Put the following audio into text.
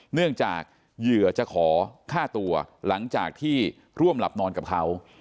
เนื่องจากเหยื่อจะขอฆ่าตัวหลังจากที่ร่วมหลับนอนกับเขา